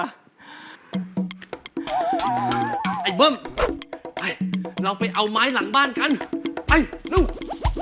ไอ้เบิ้มไปเราไปเอาไม้หลังบ้านกันไปลูก